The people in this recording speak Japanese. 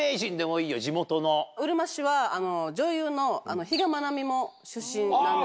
うるま市は女優の比嘉愛未も出身なんですよ。